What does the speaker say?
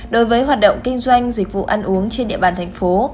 đối với hoạt động kinh doanh dịch vụ ăn uống trên địa bàn thành phố